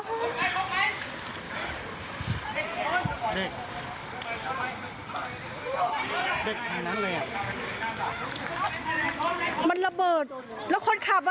เด็กไหนนั้นเลยอ่ะมันระเบิดแล้วคนขับอ่ะ